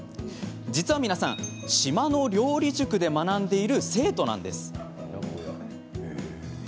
実は皆さん、島の料理塾で学んでいる生徒なんです。